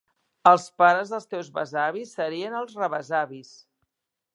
Els pares dels teus besavis serien els "rebesavis".